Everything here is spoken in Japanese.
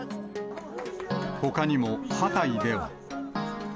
ほかにもハタイでは。